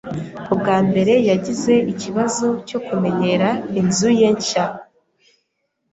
Ubwa mbere yagize ikibazo cyo kumenyera inzu ye nshya.